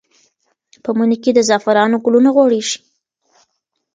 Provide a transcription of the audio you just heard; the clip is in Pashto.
په مني کې د زعفرانو ګلونه غوړېږي.